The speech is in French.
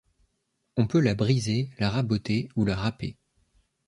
On peut la briser, la raboter ou la râper.